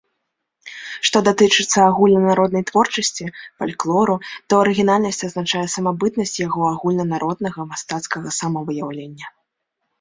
Што датычыцца агульнанароднай творчасці, фальклору, то арыгінальнасць азначае самабытнасць яго агульнанароднага, мастацкага самавыяўлення.